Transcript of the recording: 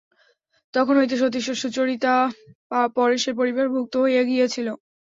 তখন হইতে সতীশ ও সুচরিতা পরেশের পরিবারভুক্ত হইয়া গিয়াছিল।